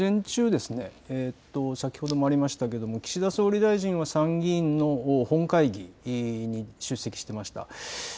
午前中、先ほどもありましたけれども岸田総理大臣は参議院の本会議に出席していました。